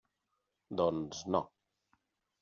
Doncs, no!